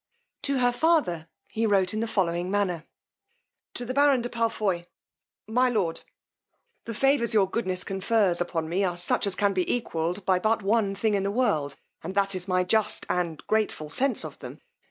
To her father he wrote in the following manner: To the baron DE PALFOY, My Lord; "The favours your goodness confers upon me are such as can be equalled by but one thing in the world, and that is my just and grateful sense of them.